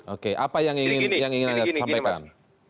oke apa yang ingin anda sampaikan